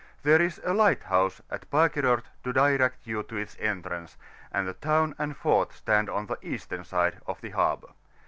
There is a lighthouse at Pakerort to direct you to its entrance, and the town and fort stand on the eastern side of the harbour.